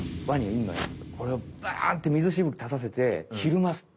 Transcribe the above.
これをバンってみずしぶきたたせてひるます。